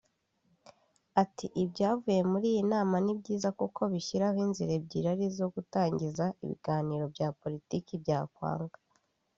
ati”Ibyavuye muri iyi nama ni byiza kuko bishyiraho inzira ebyiri ari zo gutangiza ibiganiro bya politiki byakwanga